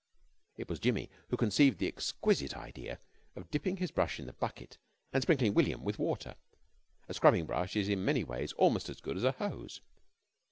It was Jimmy who conceived the exquisite idea of dipping his brush in the bucket and sprinkling William with water. A scrubbing brush is in many ways almost as good as a hose.